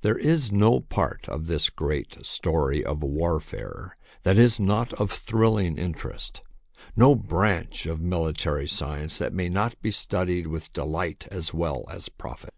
There is no part of this great story of warfare that is not of thrilling interest, no branch of mili tary science that may not be studied with delight as well as profit.